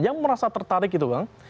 yang merasa tertarik itu bang